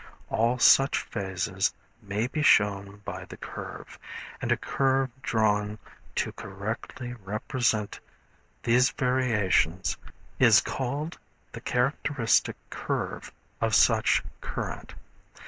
All such phases may be shown by the curve, and a curve drawn to correctly represent these variations is called the characteristic curve of such current.